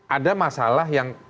ada masalah yang